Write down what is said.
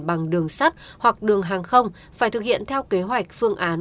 bằng đường sắt hoặc đường hàng không phải thực hiện theo kế hoạch phương án